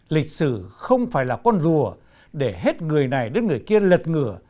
lịch sử không phải là con rùa để hết người này đến người kia lật ngửa